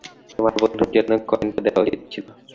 তোমার বন্ধুর জন্য কয়েনটা দেয়া উচিত ছিল।